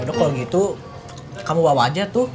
ya udah kalau gitu kamu bawa aja tuh